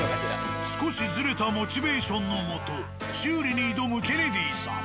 少しずれたモチベーションのもと修理に挑むケネディーさん。